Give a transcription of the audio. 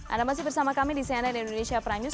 anda masih bersama kami di cnn indonesia prime news